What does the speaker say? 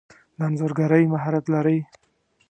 د انځورګری مهارت لرئ؟